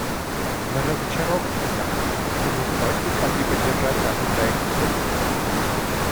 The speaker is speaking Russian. Мы разочарованы тем, что мы вновь не смогли поддержать данный проект резолюции.